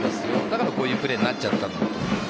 だからこういうプレーになっちゃったんだと思います。